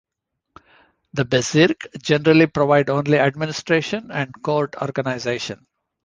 The "Bezirke" generally provide only administration and court organization.